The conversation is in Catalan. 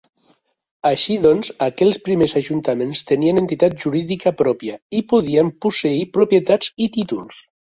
Així doncs aquells primers ajuntaments tenien entitat jurídica pròpia i podien posseir propietats i títols.